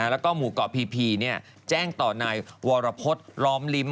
แล้วก็หมู่เกาะพีแจ้งต่อนายวรพฤษล้อมลิ้ม